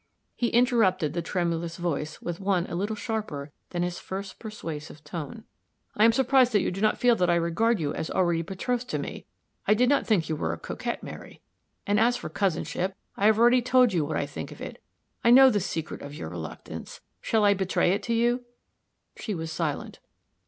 He interrupted the tremulous voice with one a little sharper than his first persuasive tone: "I am surprised that you do not feel that I regard you as already betrothed to me. I did not think you were a coquette, Mary. And, as for cousinship, I have already told you what I think of it. I know the secret of your reluctance shall I betray it to you?" She was silent.